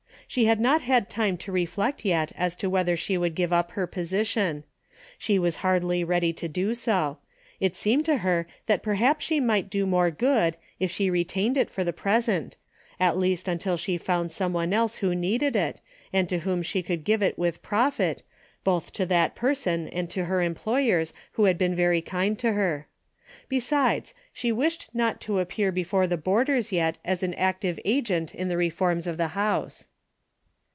She had not had time to reflect yet as to whether she would give up her position. She was hardly ready to do so. It seemed to her that perhaps she might do more good if she retained it for the present, at least until she found some one else who needed it, and to whom she could give it with profit, both to that person and to her employers who had been very kind to her. Besides, she wished not to appear before the boarders yet as an active agent in the reforms of the house.